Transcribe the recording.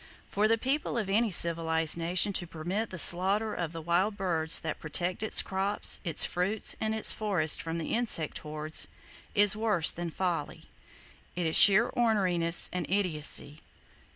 For the people of any civilized nation to permit the slaughter of the wild birds that protect its crops, its fruits and its forests from the insect hordes, is worse than folly. It is sheer orneryness and idiocy.